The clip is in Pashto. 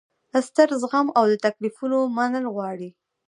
ستر زغم او د تکلیفونو منل غواړي.